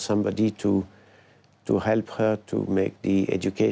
และพ่อหญิงของพระเจ้า